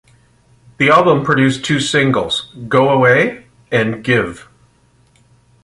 The album produced two singles: "Go Away" and "Give.